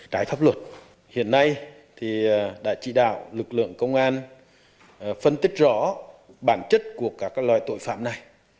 trái pháp luật hiện nay thì đã chỉ đạo lực lượng công an phân tích rõ bản chất của các loài tội phạm này